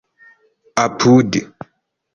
apud